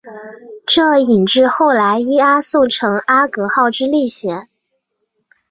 这引致后来伊阿宋乘阿格号之历险。